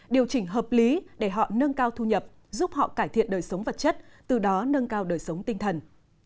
điều chỉnh hợp lý để họ nâng cao thu nhập giúp họ cải thiện đời sống vật chất từ đó nâng cao đời sống tinh thần